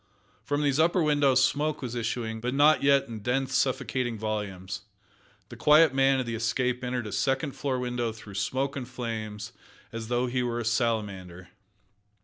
From these upper windows smoke was issuing, but not yet in dense, suffocating volumes. The quiet man of the Escape entered a second floor window through smoke and flames as though he were a salamander.